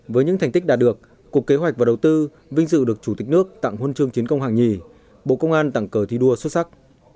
với những thành tích đạt được cục kế hoạch và đầu tư vinh dự được chủ tịch nước tặng hôn chương chiến công hạng nhì bộ công an tặng cờ thi đua xuất sắc